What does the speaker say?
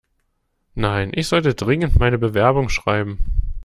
Nein, ich sollte dringend meine Bewerbung schreiben.